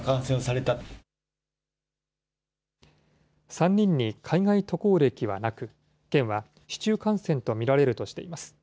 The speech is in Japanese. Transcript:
３人に海外渡航歴はなく、県は市中感染と見られるとしています。